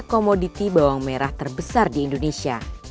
komoditi bawang merah terbesar di indonesia